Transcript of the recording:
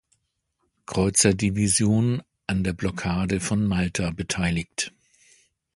Kreuzerdivision an der Blockade von Malta beteiligt.